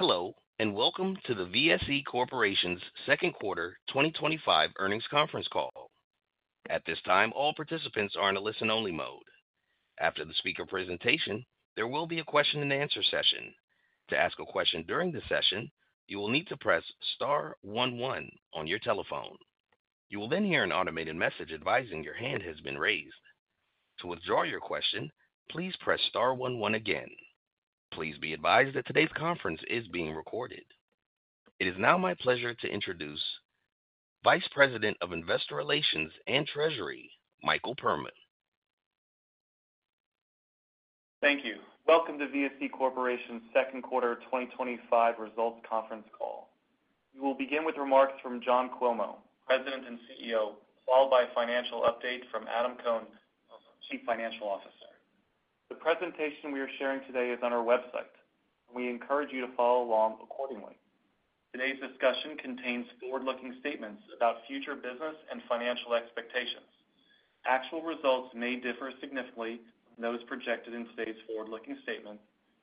Hello, and welcome to the VSE Corporation's Second Quarter 2025 Earnings Conference call. At this time, all participants are in a listen-only mode. After the speaker presentation, there will be a question-and-answer session. To ask a question during the session, you will need to press star one one on your telephone. You will then hear an automated message advising your hand has been raised. To withdraw your question, please press star one one again. Please be advised that today's conference is being recorded. It is now my pleasure to introduce Vice President of Investor Relations and Treasury, Michael Perlman. Thank you. Welcome to VSE Corporation's second quarter 2025 results conference call. We will begin with remarks from John Cuomo, President and CEO, followed by a financial update from Adam Cohn, Chief Financial Officer. The presentation we are sharing today is on our website, and we encourage you to follow along accordingly. Today's discussion contains forward-looking statements about future business and financial expectations. Actual results may differ significantly from those projected in today's forward-looking statements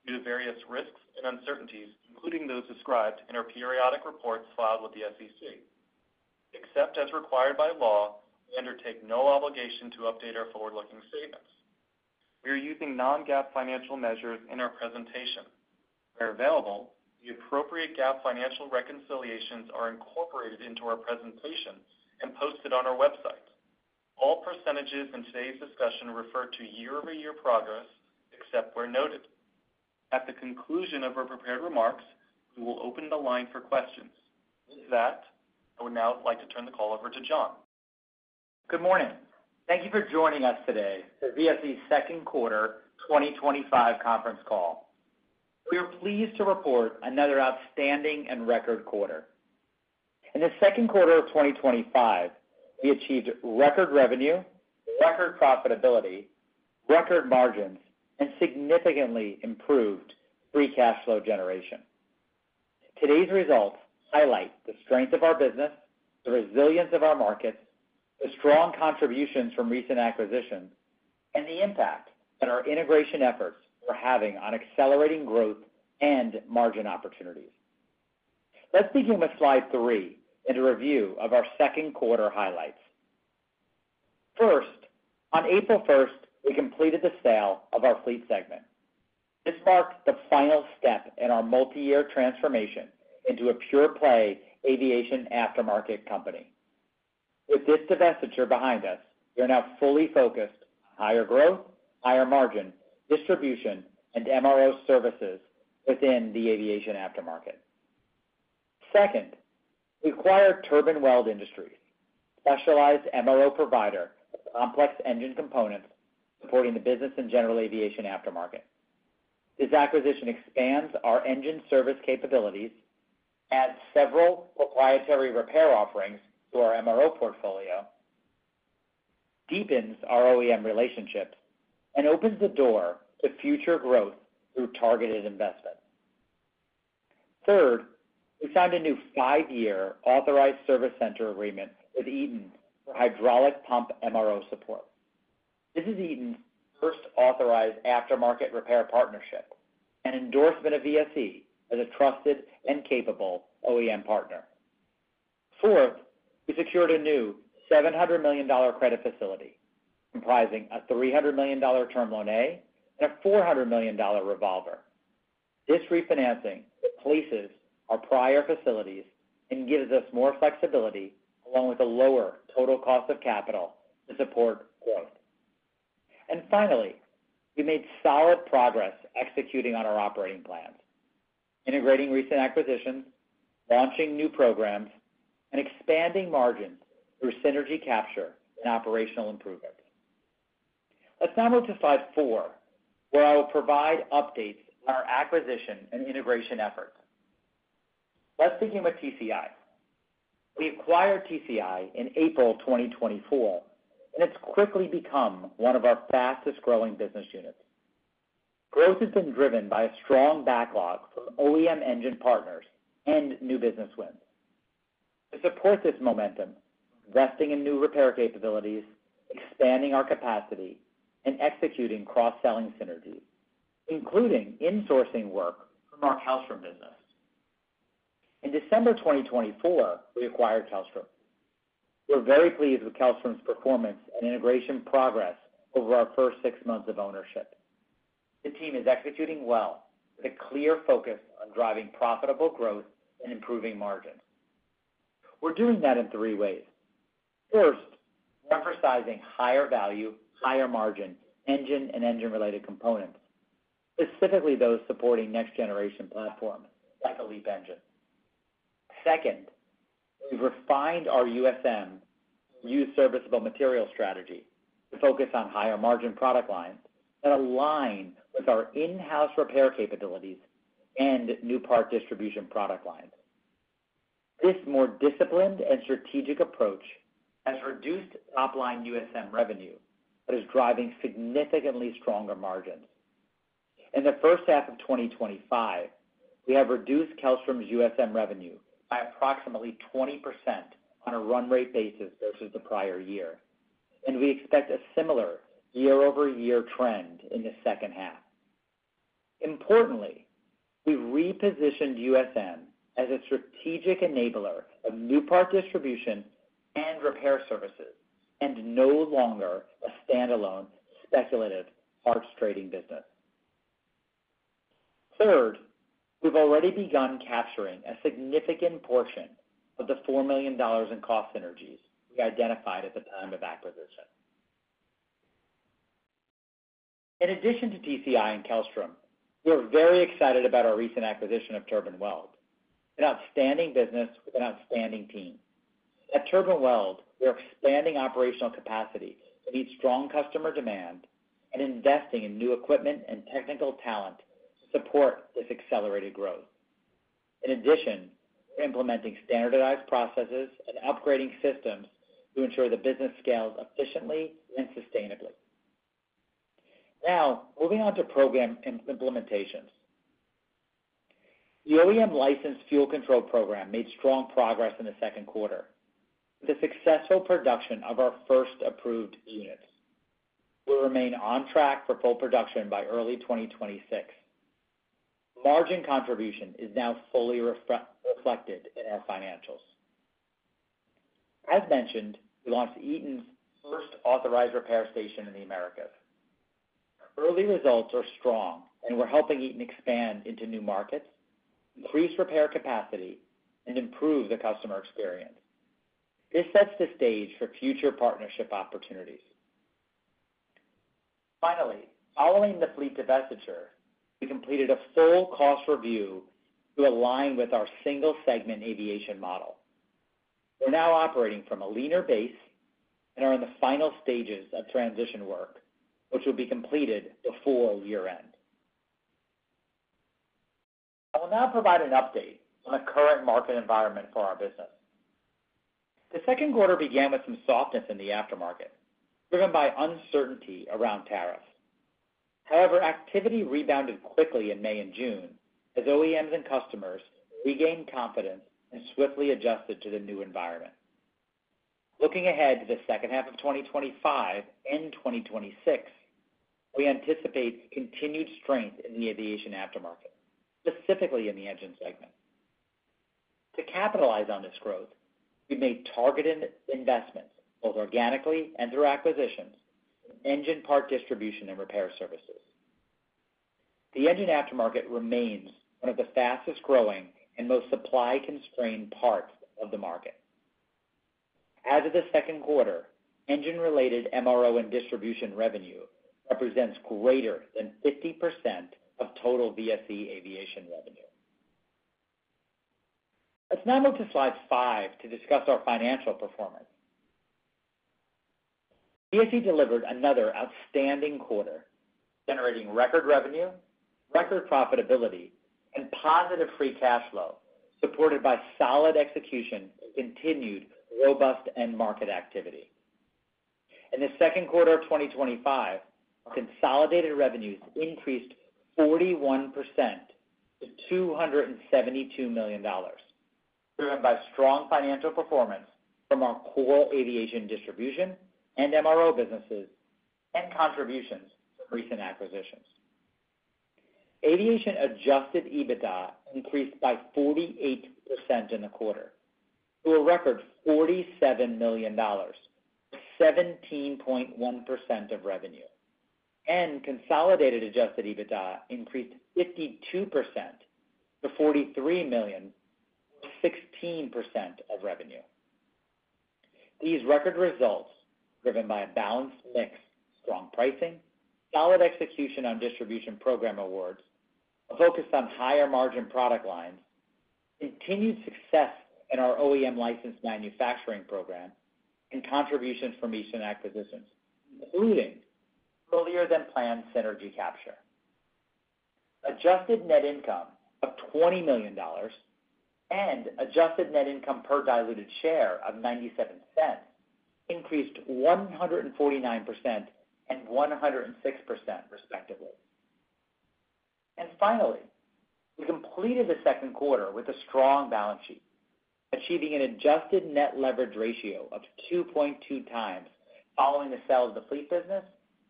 due to various risks and uncertainties, including those described in our periodic reports filed with the SEC. Except as required by law, we undertake no obligation to update our forward-looking statements. We are using non-GAAP financial measures in our presentation. Where available, the appropriate GAAP financial reconciliations are incorporated into our presentation and posted on our website. All % in today's discussion refer to year-over-year progress except where noted. At the conclusion of our prepared remarks, we will open the line for questions. With that, I would now like to turn the call over to John. Good morning. Thank you for joining us today for VSE's second quarter 2025 conference call. We are pleased to report another outstanding and record quarter. In the second quarter of 2025, we achieved record revenue, record profitability, record margins, and significantly improved free cash flow generation. Today's results highlight the strength of our business, the resilience of our markets, the strong contributions from recent acquisitions, and the impact that our integration efforts are having on accelerating growth and margin opportunities. Let's begin with slide three and a review of our second quarter highlights. First, on April 1st, we completed the sale of our fleet segment. This marked the final step in our multi-year transformation into a pure-play aviation aftermarket company. With this divestiture behind us, we are now fully focused on higher growth, higher margin, distribution, and MRO services within the aviation aftermarket. Second, we acquired Turbine Weld, a specialized MRO provider of complex engine components supporting the business and general aviation aftermarket. This acquisition expands our engine service capabilities, adds several proprietary repair offerings to our MRO portfolio, deepens our OEM relationships, and opens the door to future growth through targeted investment. Third, we signed a new five-year authorized service center agreement with Eaton for hydraulic pump MRO support. This is Eaton's first authorized aftermarket repair partnership and endorsement of VSE as a trusted and capable OEM partner. Fourth, we secured a new $700 million credit facility, comprising a $300 million term loan and a $400 million revolver. This refinancing replaces our prior facilities and gives us more flexibility, along with a lower total cost of capital to support growth. Finally, we made solid progress executing on our operating plans, integrating recent acquisitions, launching new programs, and expanding margins through synergy capture and operational improvement. Let's now move to slide four, where I will provide updates on our acquisition and integration efforts. Let's begin with TCI. We acquired TCI in April 2024, and it's quickly become one of our fastest growing business units. Growth has been driven by a strong backlog from OEM engine partners and new business wins. To support this momentum, we're investing in new repair capabilities, expanding our capacity, and executing cross-selling synergies, including insourcing work from our Kellstrom business. In December 2024, we acquired Kellstrom. We're very pleased with Kellstrom's performance and integration progress over our first six months of ownership. The team is executing well with a clear focus on driving profitable growth and improving margins. We're doing that in three ways. First, we're emphasizing higher value, higher margin engine and engine-related components, specifically those supporting next-generation platforms like a LEAP engine. Second, we've refined our USM, used serviceable materials strategy, to focus on higher margin product lines that align with our in-house repair capabilities and new part distribution product lines. This more disciplined and strategic approach has reduced top-line USM revenue, but is driving significantly stronger margins. In the first half of 2025, we have reduced Kellstrom's USM revenue by approximately 20% on a run-rate basis versus the prior year, and we expect a similar year-over-year trend in the second half. Importantly, we've repositioned USM as a strategic enabler of new part distribution and repair services and no longer a standalone speculative parts trading business. Third, we've already begun capturing a significant portion of the $4 million in cost synergies we identified at the time of acquisition. In addition to TCI and Kellstrom, we are very excited about our recent acquisition Turbine Weld, an outstanding business with an outstanding team. Turbine Weld, we are expanding operational capacity to meet strong customer demand and investing in new equipment and technical talent to support this accelerated growth. In addition, we're implementing standardized processes and upgrading systems to ensure the business scales efficiently and sustainably. Now, moving on to program implementations. The OEM licensed fuel control program made strong progress in the second quarter. The successful production of our first approved units will remain on track for full production by early 2026. Margin contribution is now fully reflected in our financials. As mentioned, we launched Eaton's first authorized repair station in the Americas. Early results are strong, and we're helping Eaton expand into new markets, increase repair capacity, and improve the customer experience. This sets the stage for future partnership opportunities. Finally, following the fleet divestiture, we completed a full cost review to align with our single-segment aviation model. We're now operating from a leaner base and are in the final stages of transition work, which will be completed before year-end. I will now provide an update on the current market environment for our business. The second quarter began with some softness in the aftermarket, driven by uncertainty around tariffs. However, activity rebounded quickly in May and June as OEMs and customers regained confidence and swiftly adjusted to the new environment. Looking ahead to the second half of 2025 and 2026, we anticipate continued strength in the aviation aftermarket, specifically in the engine segment. To capitalize on this growth, we've made targeted investments both organically and through acquisitions in engine part distribution and repair services. The engine aftermarket remains one of the fastest growing and most supply-constrained parts of the market. As of the second quarter, engine-related MRO and distribution revenue represents greater than 50% of total VSE aviation revenue. Let's now move to slide five to discuss our financial performance. VSE delivered another outstanding quarter, generating record revenue, record profitability, and positive free cash flow, supported by solid execution and continued robust end-market activity. In the second quarter of 2025, our consolidated revenues increased 41% to $272 million, driven by strong financial performance from our core aviation distribution and MRO businesses and contributions from recent acquisitions. Aviation adjusted EBITDA increased by 48% in the quarter to a record $47 million, or 17.1% of revenue, and consolidated adjusted EBITDA increased 52% to $43 million, or 16% of revenue. These record results, driven by a balanced mix, strong pricing, solid execution on distribution program awards, a focus on higher margin product lines, continued success in our OEM licensed manufacturing program, and contributions from recent acquisitions, including earlier-than-planned synergy capture. Adjusted net income of $20 million and adjusted net income per diluted share of $0.97 increased 149% and 106% respectively. We completed the second quarter with a strong balance sheet, achieving an adjusted net leverage ratio of 2.2 times following the sale of the fleet business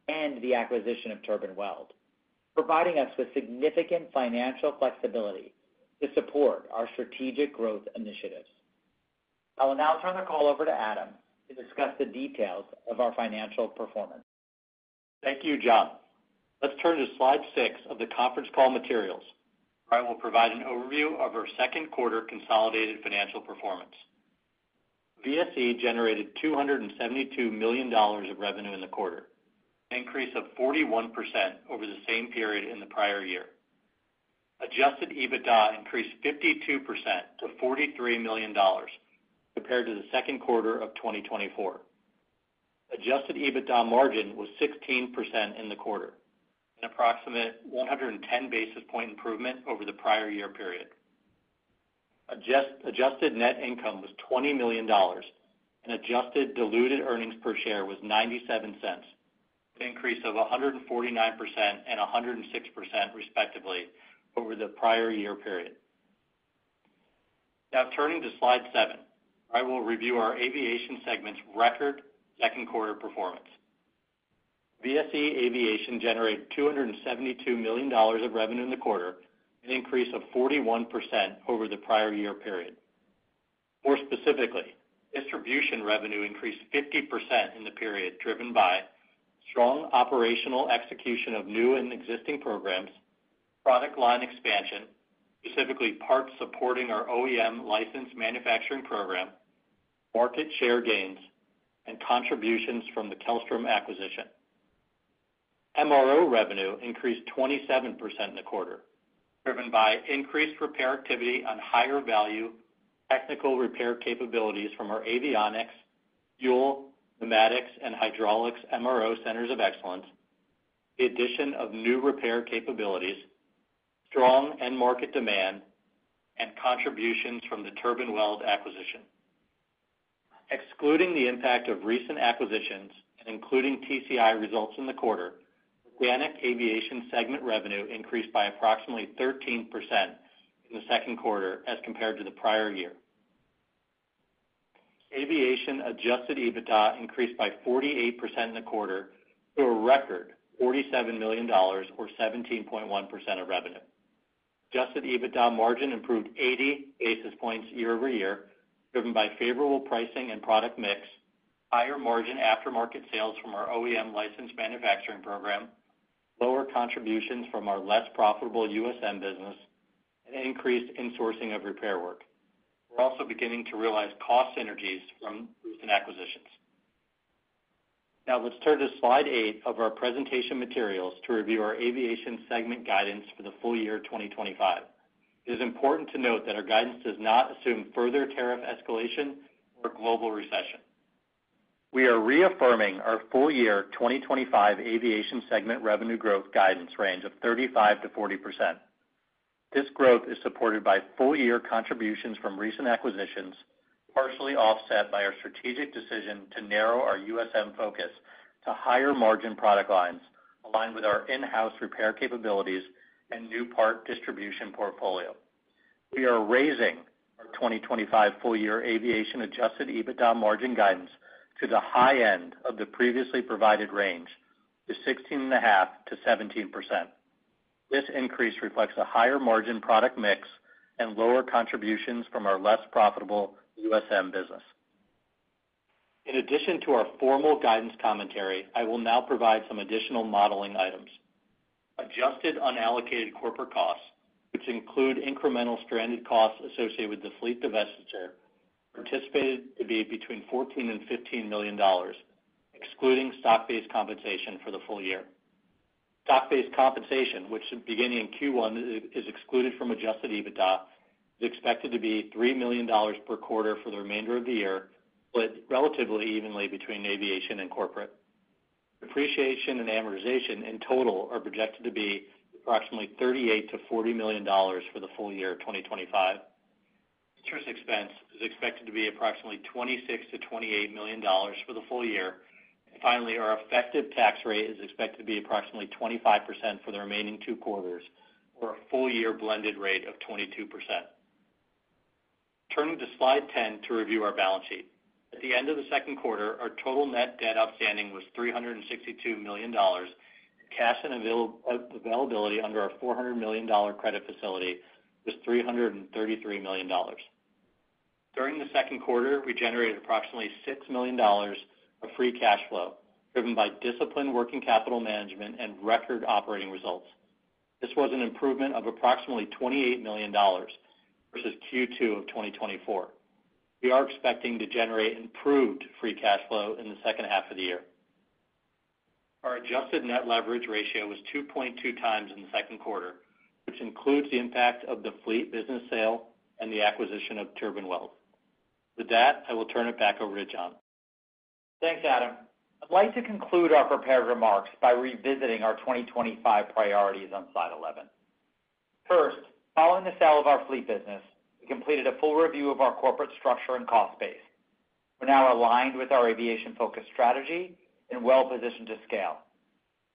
and the acquisition Turbine Weld, providing us with significant financial flexibility to support our strategic growth initiatives. I will now turn the call over to Adam to discuss the details of our financial performance. Thank you, John. Let's turn to slide six of the conference call materials, where I will provide an overview of our second quarter consolidated financial performance. VSE generated $272 million of revenue in the quarter, an increase of 41% over the same period in the prior year. Adjusted EBITDA increased 52% to $43 million compared to the second quarter of 2024. Adjusted EBITDA margin was 16% in the quarter, an approximate 110 basis point improvement over the prior year period. Adjusted net income was $20 million, and adjusted diluted earnings per share was $0.97, an increase of 149% and 106% respectively over the prior year period. Now, turning to slide seven, I will review our aviation segment's record second quarter performance. VSE Aviation generated $272 million of revenue in the quarter, an increase of 41% over the prior year period. More specifically, distribution revenue increased 50% in the period, driven by strong operational execution of new and existing programs, product line expansion, specifically parts supporting our OEM licensed manufacturing program, market share gains, and contributions from the Kellstrom acquisition. MRO revenue increased 27% in the quarter, driven by increased repair activity on higher value technical repair capabilities from our avionics, fuel, pneumatics, and hydraulics MRO centers of excellence, the addition of new repair capabilities, strong end-market demand, and contributions from Turbine Weld acquisition. Excluding the impact of recent acquisitions and including TCI results in the quarter, organic aviation segment revenue increased by approximately 13% in the second quarter as compared to the prior year. Aviation adjusted EBITDA increased by 48% in the quarter to a record $47 million, or 17.1% of revenue. Adjusted EBITDA margin improved 80 basis points year over year, driven by favorable pricing and product mix, higher margin aftermarket sales from our OEM licensed manufacturing program, lower contributions from our less profitable USM business, and increased insourcing of repair work. We're also beginning to realize cost synergies from recent acquisitions. Now, let's turn to slide eight of our presentation materials to review our aviation segment guidance for the full year 2025. It is important to note that our guidance does not assume further tariff escalation or global recession. We are reaffirming our full year 2025 aviation segment revenue growth guidance range of 35% to 40%. This growth is supported by full-year contributions from recent acquisitions, partially offset by our strategic decision to narrow our USM focus to higher margin product lines, aligned with our in-house repair capabilities and new part distribution portfolio. We are raising our 2025 full year aviation adjusted EBITDA margin guidance to the high end of the previously provided range, to 16.5% to 17%. This increase reflects a higher margin product mix and lower contributions from our less profitable USM business. In addition to our formal guidance commentary, I will now provide some additional modeling items. Adjusted unallocated corporate costs, which include incremental stranded costs associated with the fleet divestiture, are anticipated to be between $14 million and $15 million, excluding stock-based compensation for the full year. Stock-based compensation, which beginning in Q1, is excluded from adjusted EBITDA, is expected to be $3 million per quarter for the remainder of the year, split relatively evenly between aviation and corporate. Depreciation and amortization in total are projected to be approximately $38 million to $40 million for the full year 2025. Interest expense is expected to be approximately $26 million to $28 million for the full year. Finally, our effective tax rate is expected to be approximately 25% for the remaining two quarters, or a full year blended rate of 22%. Turning to slide 10 to review our balance sheet. At the end of the second quarter, our total net debt outstanding was $362 million, and cash and availability under our $400 million credit facility was $333 million. During the second quarter, we generated approximately $6 million of free cash flow, driven by disciplined working capital management and record operating results. This was an improvement of approximately $28 million versus Q2 of 2024. We are expecting to generate improved free cash flow in the second half of the year. Our adjusted net leverage ratio was 2.2 times in the second quarter, which includes the impact of the fleet business sale and the acquisition Turbine Weld. With that, I will turn it back over to John. Thanks, Adam. I'd like to conclude our prepared remarks by revisiting our 2025 priorities on slide 11. First, following the sale of our fleet business, we completed a full review of our corporate structure and cost base. We're now aligned with our aviation-focused strategy and well-positioned to scale.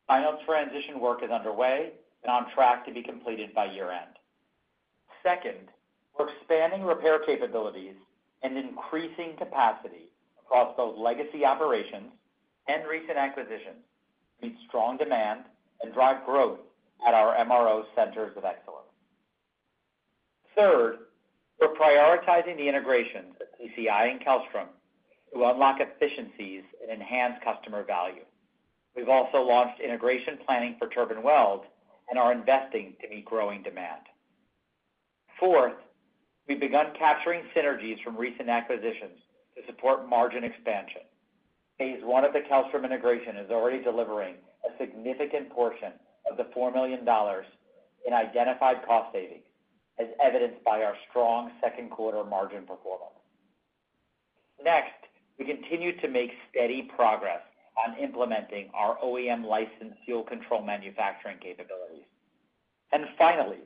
Final transition work is underway and on track to be completed by year-end. Second, we're expanding repair capabilities and increasing capacity across both legacy operations and recent acquisitions to meet strong demand and drive growth at our MRO centers of excellence. Third, we're prioritizing the integrations of TCI and Kellstrom to unlock efficiencies and enhance customer value. We've also launched integration planning Turbine Weld and are investing to meet growing demand. Fourth, we've begun capturing synergies from recent acquisitions to support margin expansion. Phase one of the Kellstrom integration is already delivering a significant portion of the $4 million in identified cost savings, as evidenced by our strong second quarter margin performance. Next, we continue to make steady progress on implementing our OEM licensed fuel control manufacturing capabilities. Finally,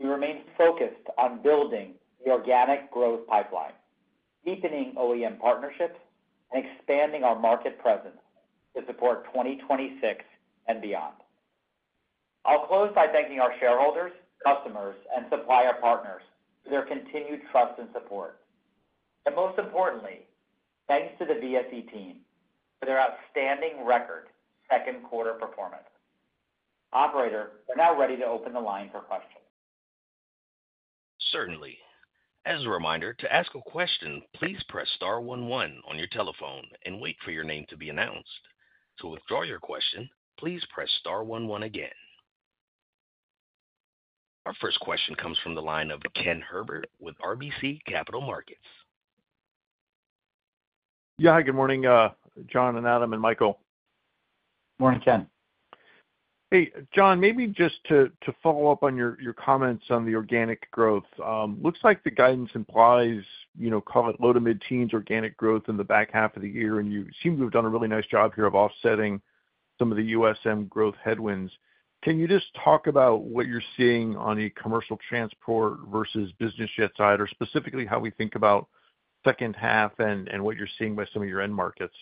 we remain focused on building the organic growth pipeline, deepening OEM partnerships, and expanding our market presence to support 2026 and beyond. I'll close by thanking our shareholders, customers, and supplier partners for their continued trust and support. Most importantly, thanks to the VSE team for their outstanding record second quarter performance. Operator, we're now ready to open the line for questions. Certainly. As a reminder, to ask a question, please press *11 on your telephone and wait for your name to be announced. To withdraw your question, please press *11 again. Our first question comes from the line of Ken Herbert with RBC Capital Markets. Yeah, hi. Good morning, John and Adam and Michael. Morning, Ken. Hey, John, maybe just to follow up on your comments on the organic growth. Looks like the guidance implies low to mid-teens organic growth in the back half of the year, and you seem to have done a really nice job here of offsetting some of the USM growth headwinds. Can you just talk about what you're seeing on a commercial transport versus business jet side, or specifically how we think about the second half and what you're seeing by some of your end markets?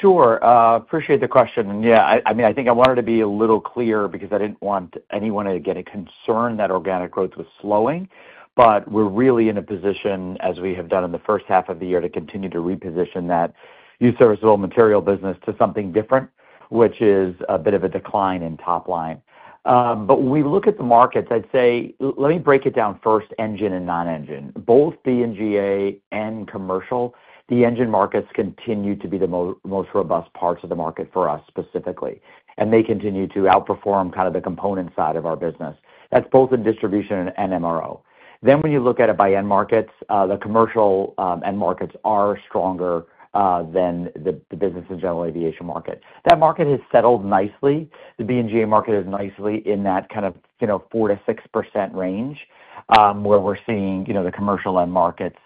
Sure. Appreciate the question. I think I wanted to be a little clear because I didn't want anyone to get a concern that organic growth was slowing. We're really in a position, as we have done in the first half of the year, to continue to reposition that used serviceable material business to something different, which is a bit of a decline in top line. When we look at the markets, I'd say let me break it down first: engine and non-engine. Both D and GA and commercial, the engine markets continue to be the most robust parts of the market for us specifically. They continue to outperform kind of the component side of our business. That's both in distribution and MRO. When you look at it by end markets, the commercial end markets are stronger than the business in general aviation market. That market has settled nicely. The B and GA market is nicely in that kind of 4% to 6% range, where we're seeing the commercial end markets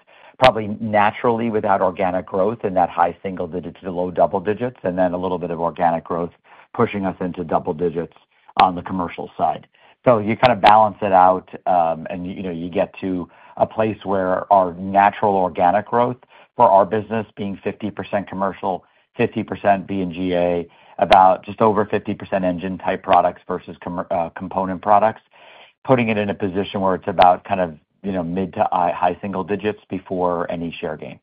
probably naturally without organic growth in that high single digits to low double digits, and then a little bit of organic growth pushing us into double digits on the commercial side. You kind of balance it out, and you get to a place where our natural organic growth for our business being 50% commercial, 50% BNGA, about just over 50% engine-type products versus component products, putting it in a position where it's about kind of mid to high single digits before any share gain.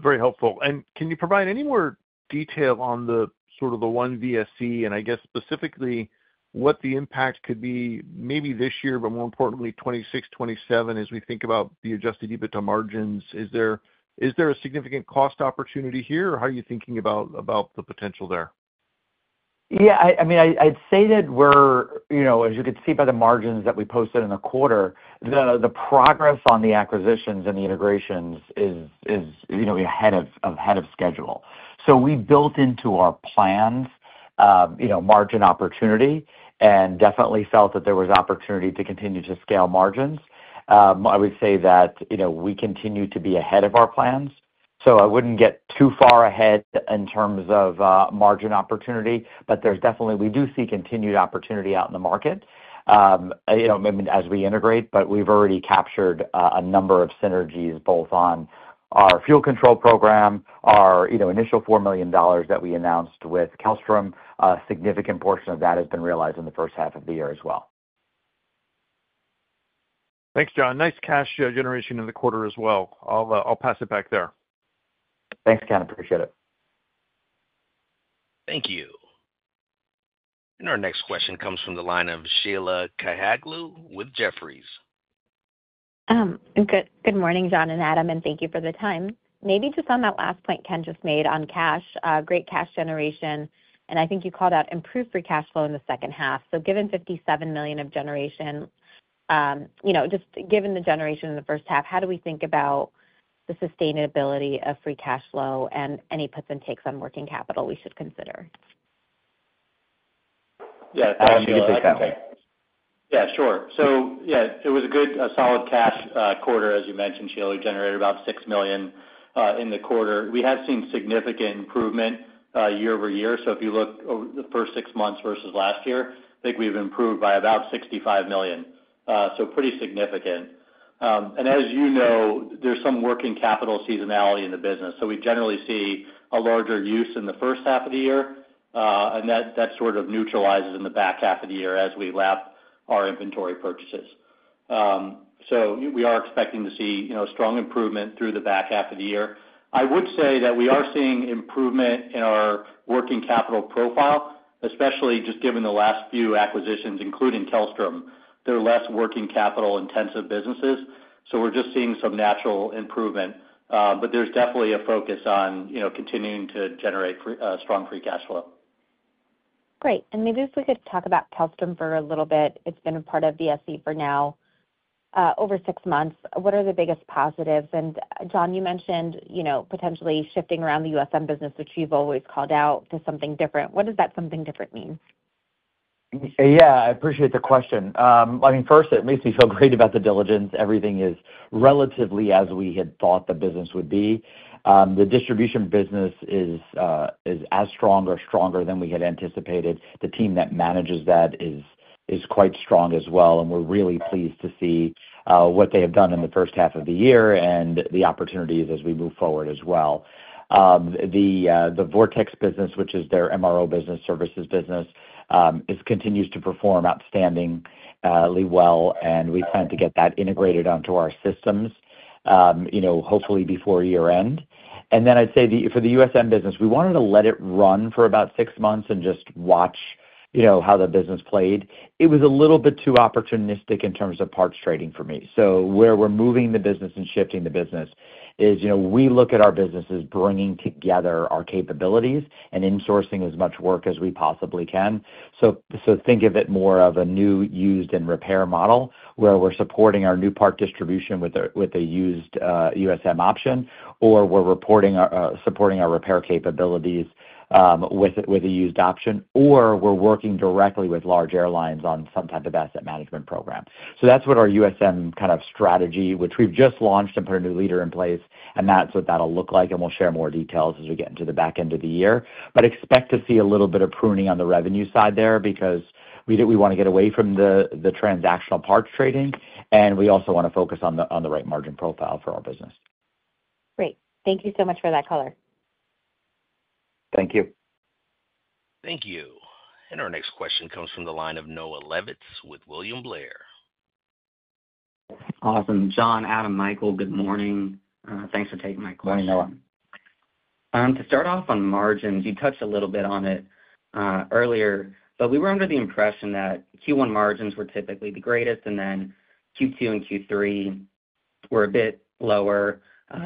Very helpful. Can you provide any more detail on the sort of the one VSE, and I guess specifically what the impact could be maybe this year, but more importantly, 2026, 2027, as we think about the adjusted EBITDA margins? Is there a significant cost opportunity here, or how are you thinking about the potential there? Yeah, I mean, I'd say that we're, you know, as you could see by the margins that we posted in the quarter, the progress on the acquisitions and the integrations is ahead of schedule. We built into our plans margin opportunity and definitely felt that there was opportunity to continue to scale margins. I would say that we continue to be ahead of our plans. I wouldn't get too far ahead in terms of margin opportunity, but there's definitely, we do see continued opportunity out in the market. I mean, as we integrate, we've already captured a number of synergies both on our fuel control program, our initial $4 million that we announced with Kellstrom. A significant portion of that has been realized in the first half of the year as well. Thanks, John. Nice cash generation in the quarter as well. I'll pass it back there. Thanks, Ken. Appreciate it. Thank you. Our next question comes from the line of Sheila Kahyaoglu with Jefferies. Good morning, John and Adam, and thank you for the time. Maybe just on that last point Ken just made on cash, great cash generation, and I think you called out improved free cash flow in the second half. Given $57 million of generation, just given the generation in the first half, how do we think about the sustainability of free cash flow and any puts and takes on working capital we should consider? Yeah, Adam, you can take that one. Yeah, sure. It was a good, solid cash quarter, as you mentioned, Sheila. We generated about $6 million in the quarter. We have seen significant improvement year over year. If you look over the first six months versus last year, I think we've improved by about $65 million, so pretty significant. As you know, there's some working capital seasonality in the business. We generally see a larger use in the first half of the year, and that sort of neutralizes in the back half of the year as we lap our inventory purchases. We are expecting to see strong improvement through the back half of the year. I would say that we are seeing improvement in our working capital profile, especially just given the last few acquisitions, including Kellstrom. They're less working capital-intensive businesses, so we're just seeing some natural improvement. There's definitely a focus on continuing to generate strong free cash flow. Great. Maybe if we could talk about Kellstrom for a little bit, it's been a part of VSE for now over six months. What are the biggest positives? John, you mentioned, you know, potentially shifting around the USM business, which you've always called out to something different. What does that something different mean? Yeah, I appreciate the question. First, it makes me feel great about the diligence. Everything is relatively as we had thought the business would be. The distribution business is as strong or stronger than we had anticipated. The team that manages that is quite strong as well. We're really pleased to see what they have done in the first half of the year and the opportunities as we move forward as well. The Vortex business, which is their MRO services business, continues to perform outstandingly well. We plan to get that integrated onto our systems, hopefully before year-end. I'd say for the USM business, we wanted to let it run for about six months and just watch how the business played. It was a little bit too opportunistic in terms of speculative parts trading for me. Where we're moving the business and shifting the business is, we look at our business as bringing together our capabilities and insourcing as much work as we possibly can. Think of it more of a new, used, and repair model, where we're supporting our new part distribution with a used USM option, or we're supporting our repair capabilities with a used option, or we're working directly with large airlines on some type of asset management program. That's what our USM kind of strategy, which we've just launched and put a new leader in place, and that's what that'll look like. We'll share more details as we get into the back end of the year. Expect to see a little bit of pruning on the revenue side there because we want to get away from the transactional parts trading, and we also want to focus on the right margin profile for our business. Great. Thank you so much for that color. Thank you. Thank you. Our next question comes from the line of Noel Ryan with William Blair. Awesome. John, Adam, Michael, good morning. Thanks for taking my call. Morning, Noel. To start off on margins, you touched a little bit on it earlier, but we were under the impression that Q1 margins were typically the greatest, and then Q2 and Q3 were a bit lower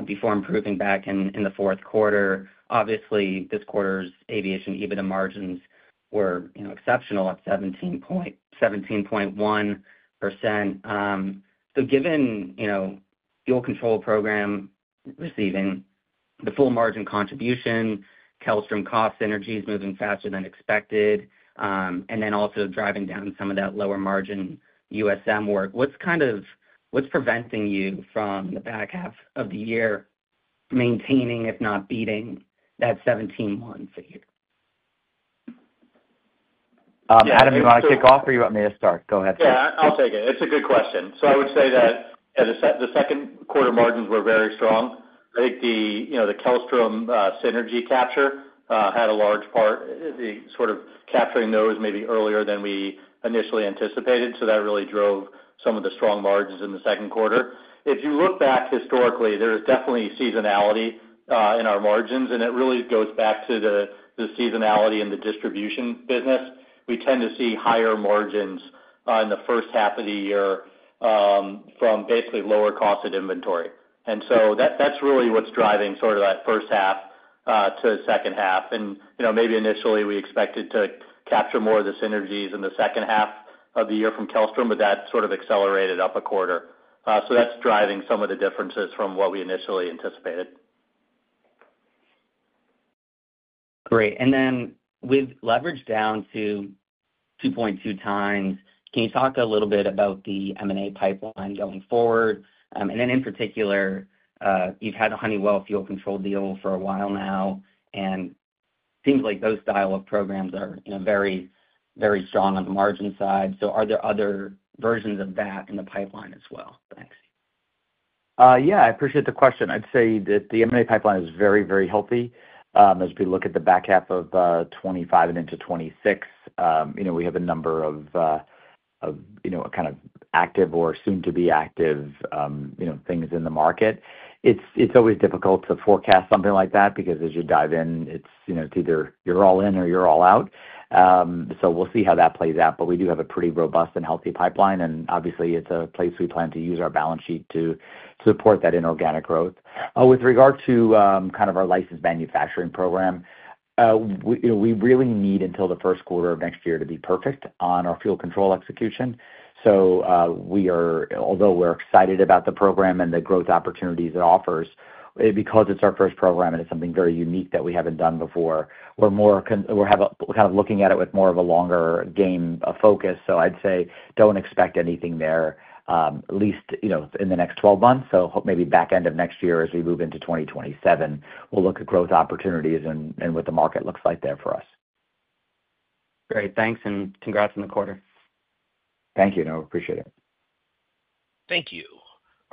before improving back in the fourth quarter. Obviously, this quarter's aviation EBITDA margins were exceptional at 17.1%. Given, you know, fuel control program receiving the full margin contribution, Kellstrom cost synergies moving faster than expected, and then also driving down some of that lower margin USM work, what's kind of what's preventing you from the back half of the year maintaining, if not beating, that 17.1% figure? Adam, you want to kick off, or you want me to start? Go ahead, please. Yeah, I'll take it. It's a good question. I would say that the second quarter margins were very strong. I think the Kellstrom synergy capture had a large part, capturing those maybe earlier than we initially anticipated. That really drove some of the strong margins in the second quarter. If you look back historically, there is definitely seasonality in our margins, and it really goes back to the seasonality in the distribution business. We tend to see higher margins in the first half of the year from basically lower costs of inventory. That's really what's driving that first half to the second half. Maybe initially, we expected to capture more of the synergies in the second half of the year from Kellstrom, but that accelerated up a quarter. That's driving some of the differences from what we initially anticipated. Great. With leverage down to 2.2 times, can you talk a little bit about the M&A pipeline going forward? In particular, you've had the Honeywell fuel control deal for a while now, and it seems like those style of programs are very, very strong on the margin side. Are there other versions of that in the pipeline as well? Thanks. Yeah, I appreciate the question. I'd say that the M&A pipeline is very, very healthy. As we look at the back half of 2025 and into 2026, we have a number of active or soon-to-be active things in the market. It's always difficult to forecast something like that because as you dive in, it's either you're all in or you're all out. We will see how that plays out. We do have a pretty robust and healthy pipeline, and obviously, it's a place we plan to use our balance sheet to support that inorganic growth. With regard to our OEM licensed manufacturing program, we really need until the first quarter of next year to be perfect on our fuel control execution. We are, although we're excited about the program and the growth opportunities it offers, because it's our first program and it's something very unique that we haven't done before, we're kind of looking at it with more of a longer game focus. I'd say don't expect anything there, at least in the next 12 months. Maybe back end of next year as we move into 2027, we'll look at growth opportunities and what the market looks like there for us. Great. Thanks, and congrats on the quarter. Thank you. Noah, I appreciate it. Thank you.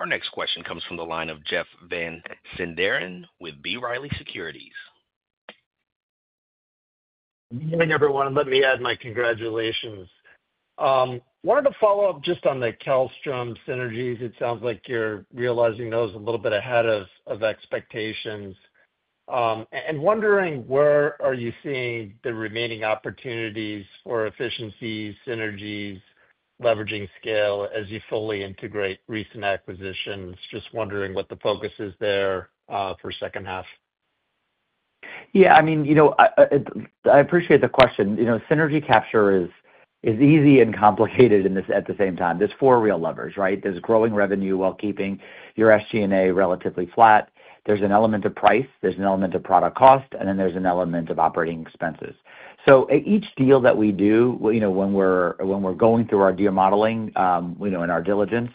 Our next question comes from the line of Jeff Van Sinderen with B. Riley Securities. Good morning, everyone. Let me add my congratulations. I wanted to follow up just on the Kellstrom synergies. It sounds like you're realizing those a little bit ahead of expectations. I am wondering, where are you seeing the remaining opportunities for efficiencies, synergies, leveraging scale as you fully integrate recent acquisitions? Just wondering what the focus is there for the second half. Yeah, I mean, I appreciate the question. Synergy capture is easy and complicated at the same time. There are four real levers, right? There's growing revenue while keeping your SG&A relatively flat. There's an element of price, there's an element of product cost, and then there's an element of operating expenses. At each deal that we do, when we're going through our deal modeling, in our diligence,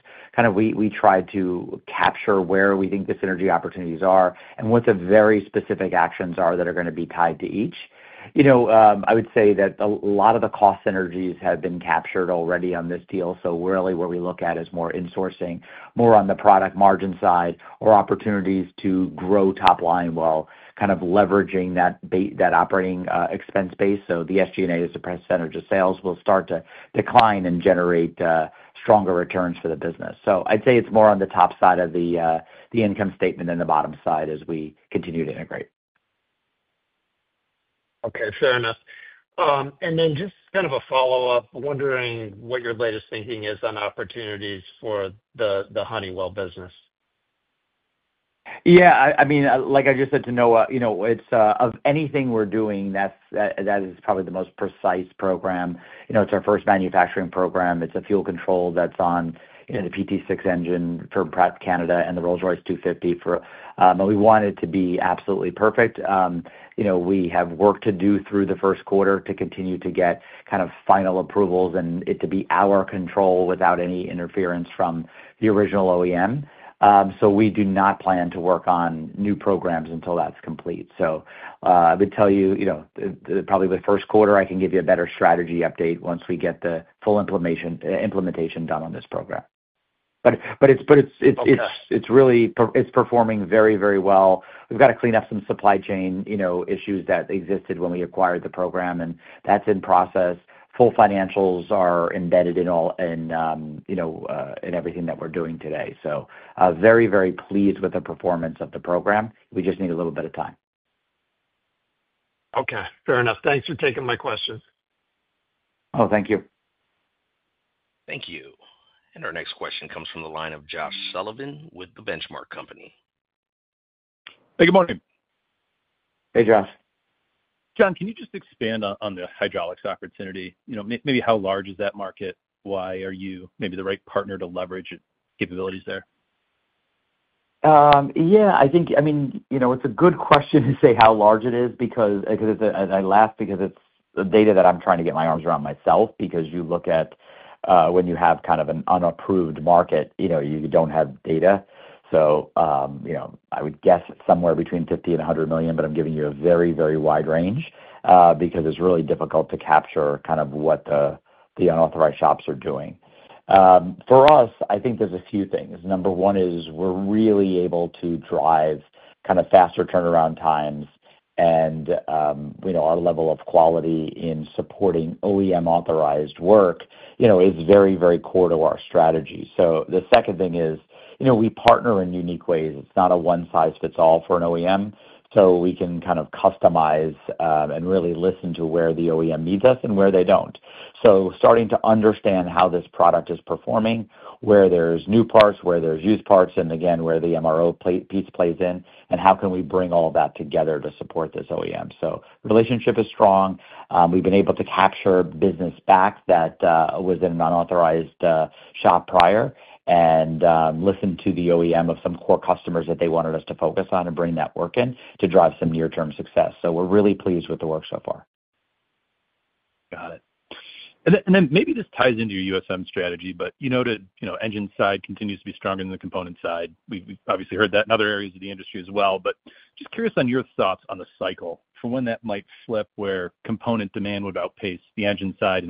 we try to capture where we think the synergy opportunities are and what the very specific actions are that are going to be tied to each. I would say that a lot of the cost synergies have been captured already on this deal. What we look at is more insourcing, more on the product margin side, or opportunities to grow top line while kind of leveraging that operating expense base. The SG&A is suppressed, synergy sales will start to decline and generate stronger returns for the business. I'd say it's more on the top side of the income statement than the bottom side as we continue to integrate. Okay, fair enough. Just kind of a follow-up, wondering what your latest thinking is on opportunities for the Honeywell business. Yeah, I mean, like I just said to Noel, you know, it's of anything we're doing, that is probably the most precise program. You know, it's our first manufacturing program. It's a fuel control that's on the PT6 engine for Pratt Canada and the Rolls-Royce 250. We want it to be absolutely perfect. We have work to do through the first quarter to continue to get kind of final approvals and it to be our control without any interference from the original OEM. We do not plan to work on new programs until that's complete. I would tell you, probably with the first quarter, I can give you a better strategy update once we get the full implementation done on this program. It's really, it's performing very, very well. We've got to clean up some supply chain issues that existed when we acquired the program, and that's in process. Full financials are embedded in all, you know, in everything that we're doing today. Very, very pleased with the performance of the program. We just need a little bit of time. Okay, fair enough. Thanks for taking my question. Oh, thank you. Thank you. Our next question comes from the line of Josh Sullivan with The Benchmark Company. Hey, good morning. Hey, Josh. John, can you just expand on the hydraulics opportunity? You know, maybe how large is that market? Why are you maybe the right partner to leverage capabilities there? Yeah, I think it's a good question to say how large it is because I laugh because it's the data that I'm trying to get my arms around myself. You look at when you have kind of an unapproved market, you don't have data. I would guess somewhere between $50 million and $100 million, but I'm giving you a very, very wide range because it's really difficult to capture what the unauthorized shops are doing. For us, I think there's a few things. Number one is we're really able to drive faster turnaround times, and our level of quality in supporting OEM-authorized work is very, very core to our strategy. The second thing is we partner in unique ways. It's not a one-size-fits-all for an OEM. We can customize and really listen to where the OEM needs us and where they don't. Starting to understand how this product is performing, where there's new parts, where there's used parts, and again, where the MRO piece plays in, and how we can bring all of that together to support this OEM. The relationship is strong. We've been able to capture business back that was in an unauthorized shop prior and listen to the OEM of some core customers that they wanted us to focus on and bring that work in to drive some near-term success. We're really pleased with the work so far. Got it. Maybe this ties into your USM strategy, but you noted engine side continues to be stronger than the component side. We've obviously heard that in other areas of the industry as well, just curious on your thoughts on the cycle for when that might flip where component demand would outpace the engine side.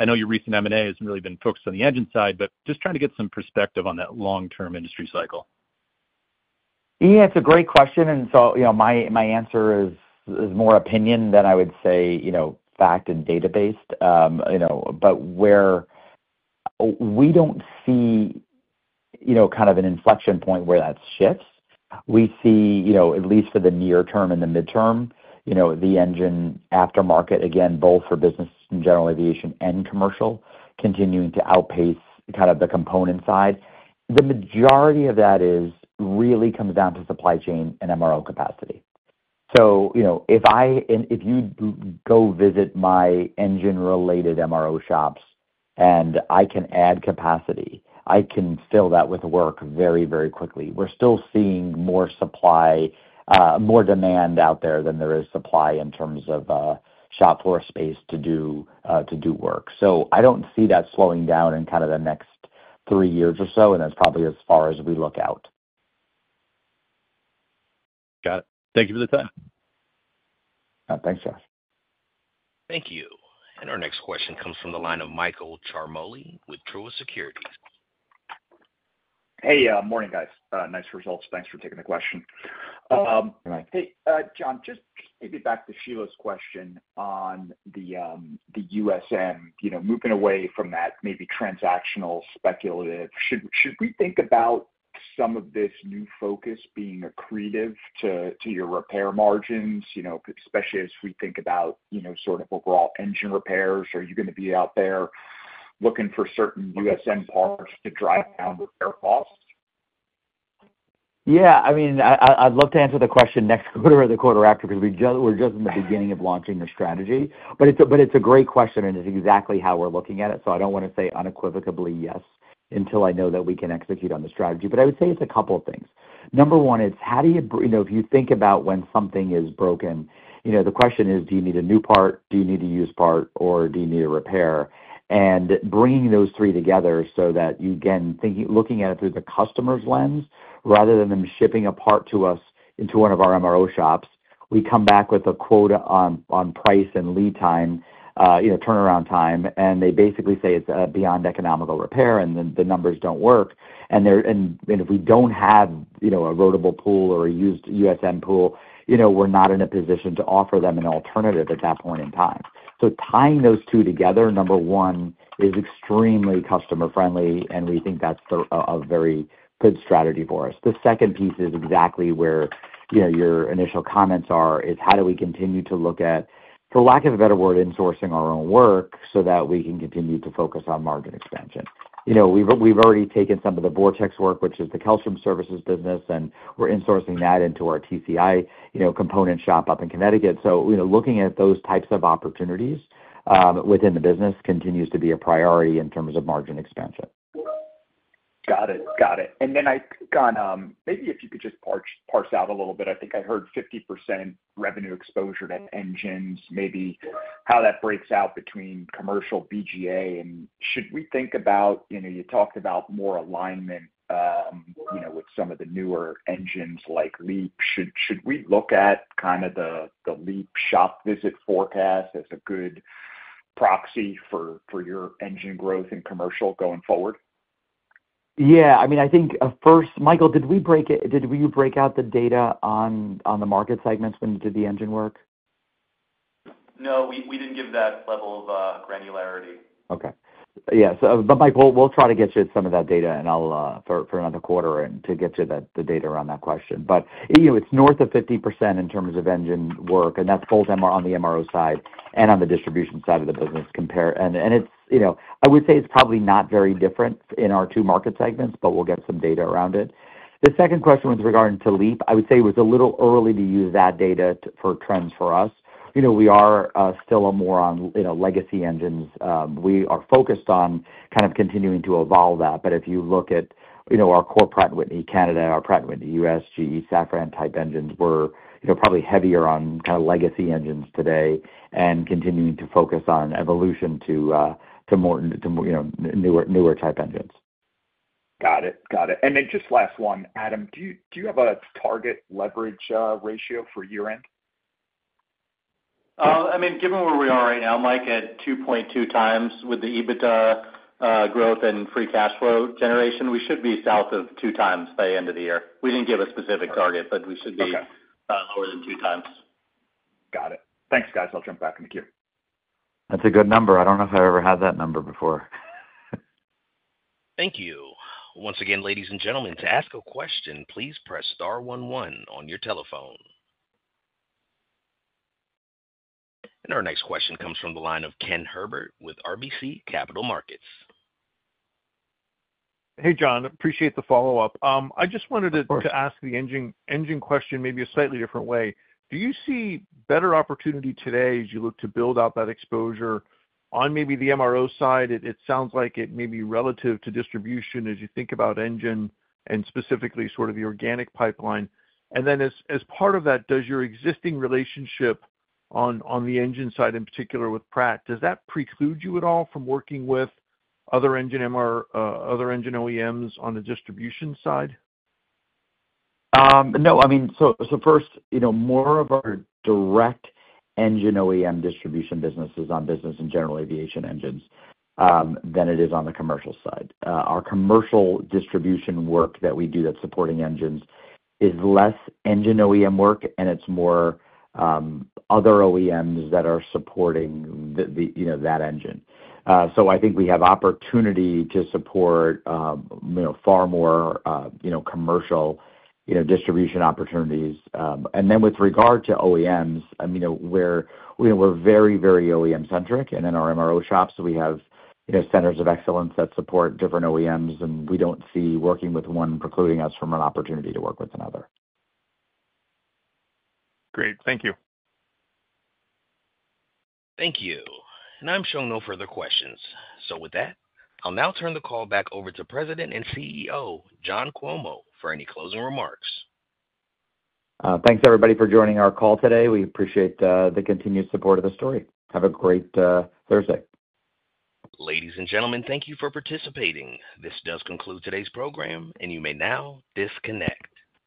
I know your recent M&A has really been focused on the engine side, just trying to get some perspective on that long-term industry cycle. Yeah, it's a great question. My answer is more opinion than I would say fact and data-based. Where we don't see kind of an inflection point where that shifts, we see at least for the near term and the midterm, the engine aftermarket, again, both for business and general aviation and commercial, continuing to outpace kind of the component side. The majority of that really comes down to supply chain and MRO capacity. If you go visit my engine-related MRO shops and I can add capacity, I can fill that with work very, very quickly. We're still seeing more demand out there than there is supply in terms of shop floor space to do work. I don't see that slowing down in the next three years or so, and that's probably as far as we look out. Got it. Thank you for the time. Thanks, Josh. Thank you. Our next question comes from the line of Michael Ciarmoli with Truist Securities. Hey, morning guys. Nice results. Thanks for taking the question. Hey, Mike. Hey, John, just maybe back to Sheila's question on the USM, you know, moving away from that maybe transactional speculative. Should we think about some of this new focus being accretive to your repair margins, you know, especially as we think about, you know, sort of overall engine repairs? Are you going to be out there looking for certain USM parts to drive down repair costs? Yeah, I mean, I'd love to answer the question next quarter or the quarter after because we're just in the beginning of launching a strategy. It's a great question, and it's exactly how we're looking at it. I don't want to say unequivocally yes until I know that we can execute on the strategy. I would say it's a couple of things. Number one, it's how do you, you know, if you think about when something is broken, the question is, do you need a new part, do you need a used part, or do you need a repair? Bringing those three together so that you, again, thinking, looking at it through the customer's lens, rather than them shipping a part to us into one of our MRO shops, we come back with a quote on price and lead time, turnaround time, and they basically say it's beyond economical repair and then the numbers don't work. If we don't have a rotable pool or a used USM pool, we're not in a position to offer them an alternative at that point in time. Tying those two together, number one, is extremely customer-friendly, and we think that's a very good strategy for us. The second piece is exactly where your initial comments are, is how do we continue to look at, for lack of a better word, insourcing our own work so that we can continue to focus on margin expansion? We've already taken some of the Vortex work, which is the Kellstrom services business, and we're insourcing that into our TCI component shop up in Connecticut. Looking at those types of opportunities within the business continues to be a priority in terms of margin expansion. Got it. I think on, maybe if you could just parse out a little bit, I think I heard 50% revenue exposure to engines, maybe how that breaks out between commercial BGA. Should we think about, you know, you talked about more alignment with some of the newer engines like LEAP. Should we look at kind of the LEAP shop visit forecast as a good proxy for your engine growth and commercial going forward? Yeah, I mean, I think first, Michael, did we break out the data on the market segments when we did the engine work? No, we didn't give that level of granularity. Okay. Yeah. Mike, we'll try to get you some of that data for another quarter and to get you the data around that question. You know, it's north of 50% in terms of engine work, and that's both on the MRO side and on the distribution side of the business. I would say it's probably not very different in our two market segments, but we'll get some data around it. The second question with regard to LEAP, I would say it is a little early to use that data for trends for us. We are still more on legacy engines. We are focused on kind of continuing to evolve that. If you look at our core Pratt & Whitney Canada, our Pratt & Whitney U.S., GE Safran type engines, we're probably heavier on legacy engines today and continuing to focus on evolution to more newer type engines. Got it. Got it. Just last one, Adam, do you have a target leverage ratio for year-end? I mean, given where we are right now, Mike, at 2.2 times with the EBITDA growth and free cash flow generation, we should be south of 2 times by the end of the year. We didn't give a specific target, but we should be lower than 2 times. Got it. Thanks, guys. I'll jump back in the queue. That's a good number. I don't know if I ever had that number before. Thank you. Once again, ladies and gentlemen, to ask a question, please press star one one on your telephone. Our next question comes from the line of Ken Herbert with RBC Capital Markets. Hey, John. Appreciate the follow-up. I just wanted to ask the engine question maybe a slightly different way. Do you see better opportunity today as you look to build out that exposure on maybe the MRO side? It sounds like it may be relative to distribution as you think about engine and specifically sort of the organic pipeline. As part of that, does your existing relationship on the engine side in particular with Pratt, does that preclude you at all from working with other engine OEMs on the distribution side? No. First, more of our direct engine OEM distribution business is on business and general aviation engines than it is on the commercial side. Our commercial distribution work that we do that's supporting engines is less engine OEM work, and it's more other OEMs that are supporting that engine. I think we have opportunity to support far more commercial distribution opportunities. With regard to OEMs, we're very, very OEM-centric. In our MRO shops, we have centers of excellence that support different OEMs, and we don't see working with one precluding us from an opportunity to work with another. Great. Thank you. Thank you. I'm showing no further questions. With that, I'll now turn the call back over to President and CEO John Cuomo for any closing remarks. Thanks, everybody, for joining our call today. We appreciate the continued support of the story. Have a great Thursday. Ladies and gentlemen, thank you for participating. This does conclude today's program, and you may now disconnect.